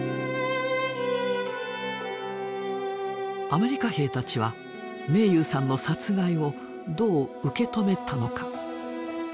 アメリカ兵たちは明勇さんの殺害をどう受け止めたのか？